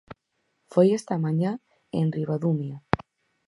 Foi esta mañá en Ribadumia.